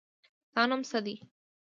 ستا نوم څه دی.